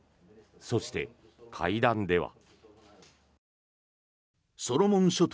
そして、会談では。